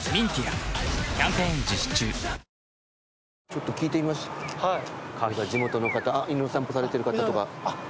ちょっと聞いて地元の方犬を散歩されてる方とか。